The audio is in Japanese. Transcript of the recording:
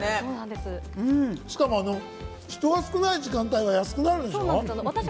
しかも人が少ない時間帯は安くなるんでしょ？